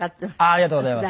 ありがとうございます。